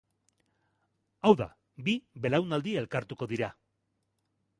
Hau da, bi belaunaldi elkartuko dira.